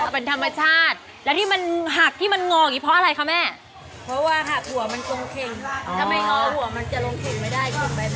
เราไม่ได้มองมันเป็นธรรมชาติ